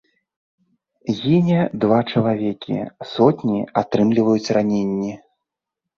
Гіне два чалавекі, сотні атрымліваюць раненні.